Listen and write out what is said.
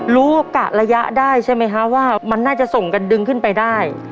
โอกาสระยะได้ใช่ไหมคะว่ามันน่าจะส่งกันดึงขึ้นไปได้